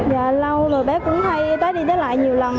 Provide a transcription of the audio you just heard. và lâu rồi bé cũng hay tới đi tới lại nhiều lần